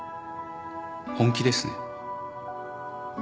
本気ですね。